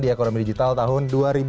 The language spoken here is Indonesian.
di ekonomi digital tahun dua ribu dua puluh